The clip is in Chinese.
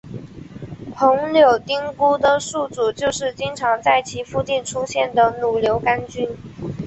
红铆钉菇的宿主就是经常在其附近出现的乳牛肝菌。